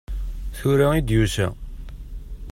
Tura i d-yusa.